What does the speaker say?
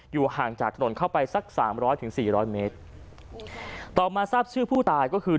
ห่างจากถนนเข้าไปสักสามร้อยถึงสี่ร้อยเมตรต่อมาทราบชื่อผู้ตายก็คือ